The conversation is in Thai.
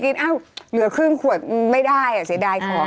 อ้าวเหลือครึ่งขวดไม่ได้อ่ะเสียดายของ